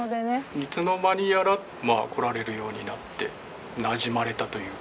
いつの間にやらまあ来られるようになってなじまれたというか。